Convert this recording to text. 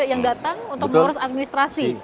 yang datang untuk mengurus administrasi